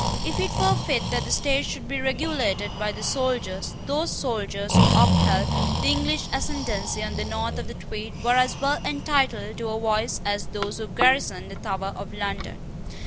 If it were fit that the state should be regulated by the soldiers, those soldiers who upheld the English ascendency on the north of the Tweed were as well entitled to a voice as those who garrisoned the Tower of London.